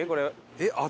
えっ？